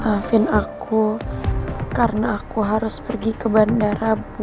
maafin aku karena aku harus pergi ke bandara